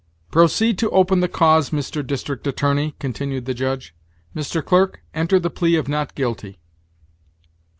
"Proceed to open the cause, Mr. District Attorney," continued the Judge. "Mr. Clerk, enter the plea of not guilty."